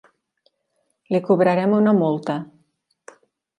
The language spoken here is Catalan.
Li cobrarem una multa.